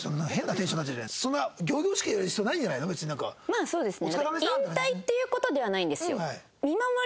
まあそうですね。